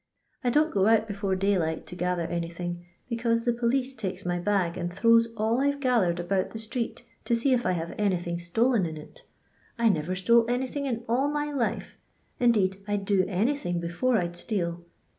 I don't go out before daylight to gather anything, becnuse the police takes my bag and thro\^ s all I "ve ga thered about the street to see if I have anything stolen in it I never stole anything in all my life, indeed I 'd do anything before I *d steal.